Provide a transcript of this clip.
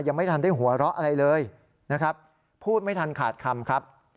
ยังไม่ทันได้หัวเราะอะไรเลยนะครับพูดไม่ทันขาดคำครับ